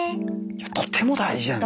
とても大事やんね。